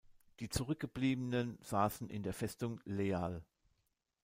Die Zurückgebliebenen saßen in der Festung Leal.